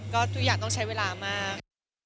ก็ทุกอย่างต้องใช้เวลามาก